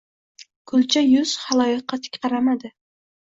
Kulcha yuz xaloyiqqa tik qaramadi.